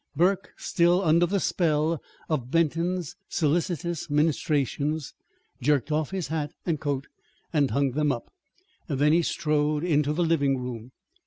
Burke, still under the spell of Benton's solicitous ministrations, jerked off his hat and coat and hung them up. Then he strode into the living room.